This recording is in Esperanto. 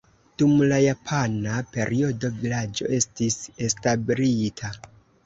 Dum la japana periodo vilaĝo estis establita.